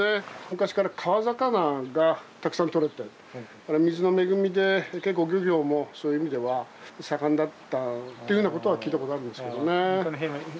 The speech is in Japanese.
昔から川魚がたくさんとれて水の恵みで結構漁業もそういう意味では盛んだったっていうようなことは聞いたことあるんですけどね。